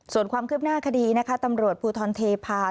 ส่วนความคืบหน้าคดีนะคะตำรวจภูทรเทพา